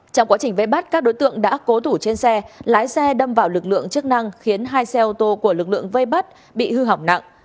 trong quá trình vây bắt các đối tượng đã cố thủ trên xe lái xe đâm vào lực lượng chức năng khiến hai xe ô tô của lực lượng vây bắt bị hư hỏng nặng